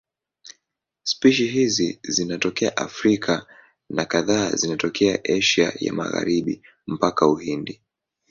Spishi hizi zinatokea Afrika na kadhaa zinatokea Asia ya Magharibi mpaka Uhindi.